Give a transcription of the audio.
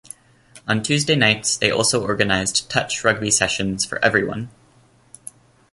On Tuesday nights they also organised touch rugby sessions for everyone.